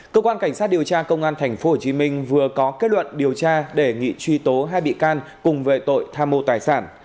cơ quan cảnh sát điều tra công an tp hcm vừa có kết luận điều tra đề nghị truy tố hai bị can cùng về tội tham mô tài sản